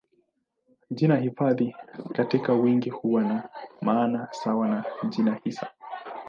Jina hifadhi katika wingi huwa na maana sawa na jina hisa.